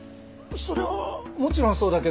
そりゃもちろんそうだけど。